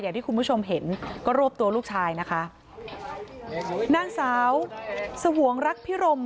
อย่างที่คุณผู้ชมเห็นก็รวบตัวลูกชายนะคะนางสาวสวงรักพิรม